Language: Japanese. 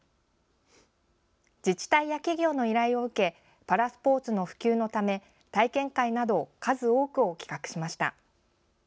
自治体や企業の依頼を受けパラスポーツの普及のため体験会などを数多く企画しました。